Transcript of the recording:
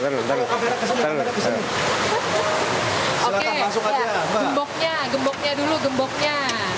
hai oke masuk sadece bloknya gemboknya dulu gemboknya